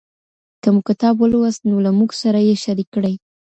که مو کتاب ولوست نو له موږ سره یې شریک کړئ.